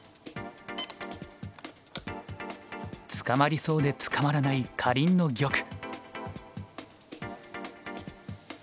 捕まりそうで捕まらないかりんの玉。